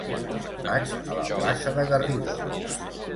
Vaig a la plaça de Garrigó.